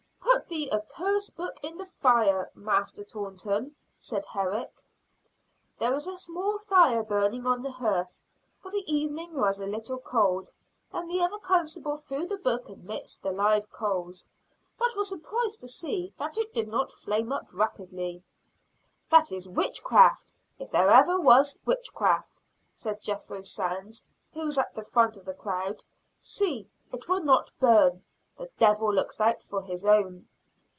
"Put the accursed book in the fire, Master Taunton," said Herrick. There was a small fire burning on the hearth, for the evening was a little cool, and the other constable threw the book amidst the live coals; but was surprised to see that it did not flame up rapidly. "That is witchcraft, if there ever was witchcraft!" said Jethro Sands, who was at the front of the crowd. "See, it will not burn. The Devil looks out for his own."